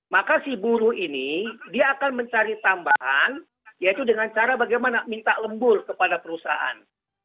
maka si buruh ini dia akan mencari tambahan yaitu dengan cara bagaimana minta lembur kepada perusahaan